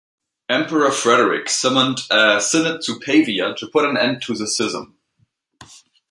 Emperor Frederick summoned a synod to Pavia to put an end to the schism.